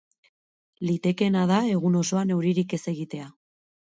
Litekeena da egun osoan euririk ez egitea.